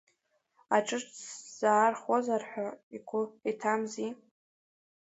Аҿыц сзаахәозар ҳәа игәы иҭамзи…